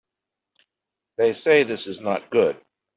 They say this is not good.